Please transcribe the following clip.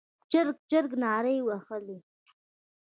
چرچرک نارې وهلې.